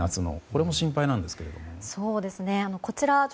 これも心配なんですけど。